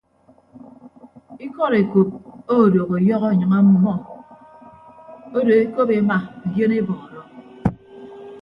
Ikọd ekop odooho ọyọhọ enyịñ ọmmọ odo ekop ema ndionebọọrọ.